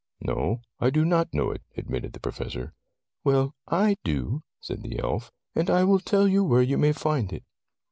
"No, I do not know it," admitted the Professor. "Well, I do," said the elf, "and I will tell you where you may find it.